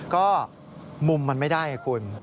ก็มุมมันไม่ได้ไงคุณ